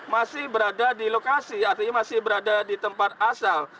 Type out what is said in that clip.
masih berada di lokasi artinya masih berada di tempat asal